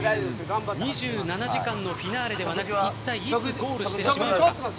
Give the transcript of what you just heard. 「２７時間」のフィナーレではなく一体いつゴールしてしまうのか。